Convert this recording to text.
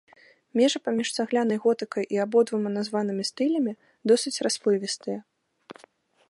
Межы паміж цаглянай готыкай і абодвума названымі стылямі досыць расплывістыя.